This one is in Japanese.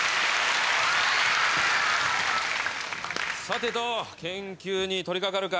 さてと研究に取り掛かるか。